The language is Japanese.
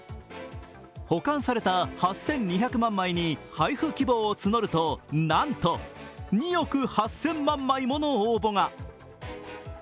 保管された８２００万枚に配布希望を募ると、なんと２億８０００万枚もの応募が。